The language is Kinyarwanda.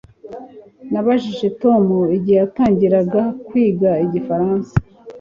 Nabajije Tom igihe yatangiraga kwiga igifaransa